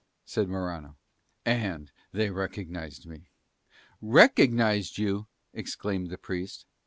said Morano, "and they recognised me." "Recognised you!" exclaimed the Priest.